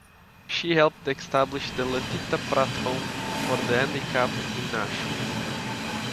She helped establish the Letitia Pratt Home for the Handicapped in Nashua.